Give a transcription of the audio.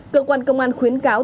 cơ quan công an khuyến cáo